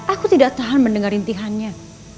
aku tidak tahan mendengar intiannya